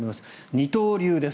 二刀流です。